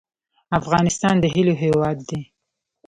افغانستان د هیلو هیواد دی